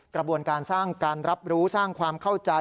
กระบวนการสร้างการรับรู้สร้างความเข้าใจ